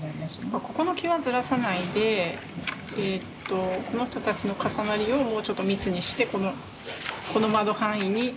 ここの際はずらさないでこの人たちの重なりをもうちょっと密にしてこの窓範囲に収める。